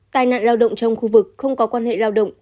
tài nạn lao động trong khu vực không có quan hệ lao động